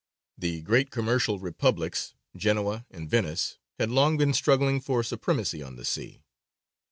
The great commercial republics, Genoa and Venice, had long been struggling for supremacy on the sea.